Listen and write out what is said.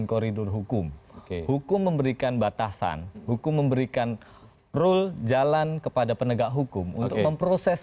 polri tidak wajib menunjukkan ke lbh penangkapan